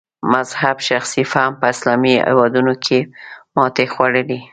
مذهب شخصي فهم په اسلامي هېوادونو کې ماتې خوړلې.